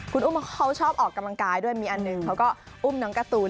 คุณอุ้มเขาชอบออกกำลังกายด้วยมีอันหนึ่งเขาก็อุ้มน้องการ์ตูน